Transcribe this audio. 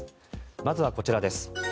まずはこちらです。